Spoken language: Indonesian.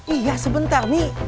iya sebentar mi